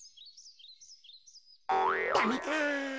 ダメか。